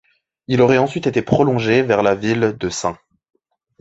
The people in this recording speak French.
Il aurait ensuite été prolongé vers la ville de St.